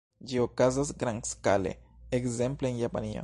Ĝi okazas grandskale, ekzemple en Japanio.